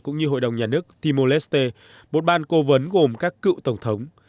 cũng như hội đồng nhà nước timor leste một ban cố vấn gồm các cựu tổng thống